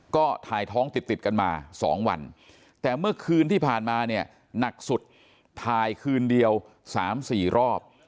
ก็ถ่ายท้องติดติดกันมา๒วันแต่เมื่อคืนที่ผ่านมาเนี่ยหนักสุดถ่ายคืนเดียว๓๔รอบ